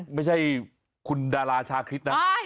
ไม่ใช่คุณดาราชาคริสนะ